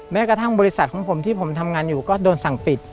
แม้กระทั่งบริษัทของผมที่ผมทำงานอยู่ก็โดนสั่งปิด